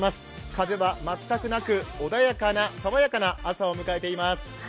風は全くなく、穏やかな爽やかな朝を迎えています。